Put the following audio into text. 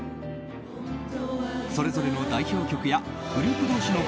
それぞれの代表曲やグループ同士の